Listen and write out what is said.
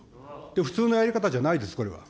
普通のやり方じゃないです、これ。